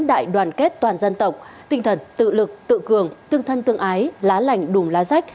đại đoàn kết toàn dân tộc tinh thần tự lực tự cường tương thân tương ái lá lành đùm lá rách